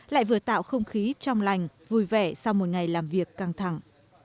lại vừa tạo không khí trong lành vui vẻ sau một ngày làm việc căng thẳng